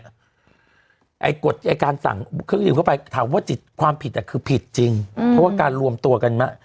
ไอ้กฎไอ้การสั่งเครื่องดื่มเข้าไปถามว่าจิตความผิดคือผิดจริงเพราะว่าการรวมตัวกันมา